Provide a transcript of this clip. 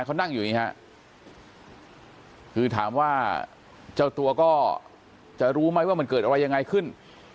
เขานั่งอยู่อย่างนี้ฮะคือถามว่าเจ้าตัวก็จะรู้ไหมว่ามันเกิดอะไรยังไงขึ้น